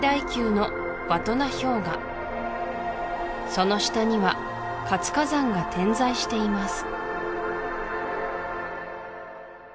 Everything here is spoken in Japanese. その下には活火山が点在しています